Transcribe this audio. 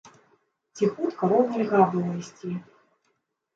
Ціхутка, роўна льга было ісці.